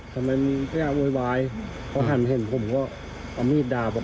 ทำไมไม่อยากโวยวายเขาหันเห็นผมก็เอามีดดาบ